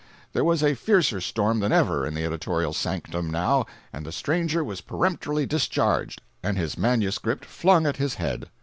There was a fiercer storm than ever in the editorial sanctum now, and the stranger was peremptorily discharged, and his manuscript flung at his head.